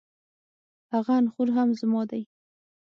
هغه انخورهم زما دی